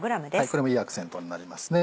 これもいいアクセントになりますね